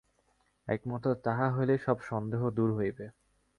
একমাত্র তাহা হইলেই সব সন্দেহ দূর হইবে।